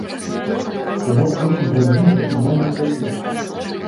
То бок восем гадзін пры чырвоным святле.